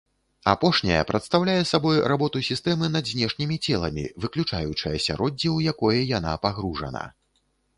Апошняя прадстаўляе сабой работу сістэмы над знешнімі целамі, выключаючы асяроддзе, у якое яна пагружана.